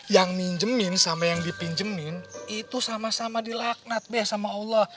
yang minjemin sama yang dipinjemin itu sama sama dilaknat beh sama allah